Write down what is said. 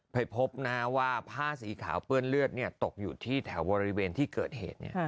ไปพบว่าผ้าสีขาวเปื้อนเลือดตกอยู่ที่แถวบริเวณที่เกิดเหตุ